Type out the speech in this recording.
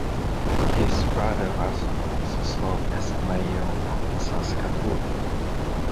His brother Russell also served as mayor of Saskatoon.